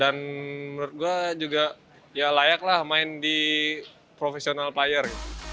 dan menurut gua juga ya layak lah main di profesional player